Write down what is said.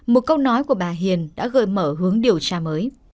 một câu nói của bà hiền đã gợi mở hướng điều tra mới